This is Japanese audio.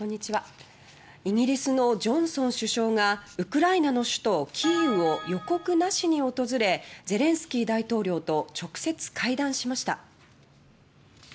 イギリスのジョンソン首相がウクライナの首都キーウを予告なしに訪れゼレンスキー大統領と直接会談しました。